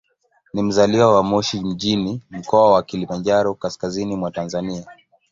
Ni mzaliwa wa Moshi mjini, Mkoa wa Kilimanjaro, kaskazini mwa Tanzania.